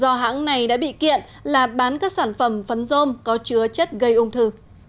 do hãng này đã bị kiện là bán các sản phẩm phấn dôm có chứa chất gây ung thư